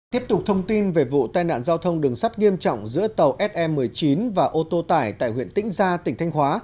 tiếp tục thông tin về vụ tai nạn giao thông đường sắt nghiêm trọng giữa tàu se một mươi chín và ô tô tải tại huyện tĩnh gia tỉnh thanh hóa